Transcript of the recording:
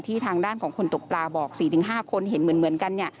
ทางด้านของคนตกปลาบอก๔๕คนเห็นเหมือนกัน